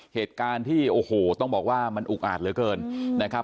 เหตุการณ์ที่โอ้โหต้องบอกว่ามันอุกอาจเหลือเกินนะครับ